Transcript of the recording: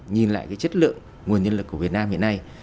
nhìn lại cái chất lượng nguồn nhân lực của việt nam hiện nay